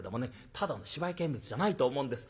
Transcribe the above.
ただの芝居見物じゃないと思うんです。